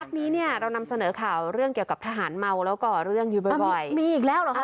วันนี้เนี่ยเรานำเสนอข่าวเรื่องเกี่ยวกับทหารเมาแล้วก็เรื่องอยู่บ่อยมีอีกแล้วเหรอคะ